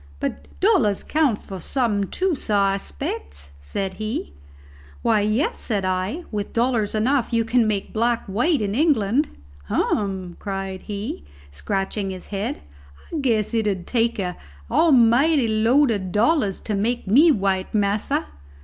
"But dollars count for something too, sah, I spects?" said he. "Why, yes," said I, "with dollars enough you can make black white in England." "Hum!" cried he, scratching his head. "I guess it 'ud take an almighty load of dollars to make me white, massa."